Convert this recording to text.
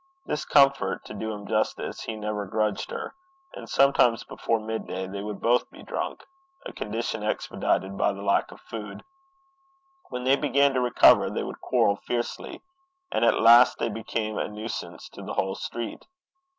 This comfort, to do him justice, he never grudged her; and sometimes before midday they would both be drunk a condition expedited by the lack of food. When they began to recover, they would quarrel fiercely; and at last they became a nuisance to the whole street.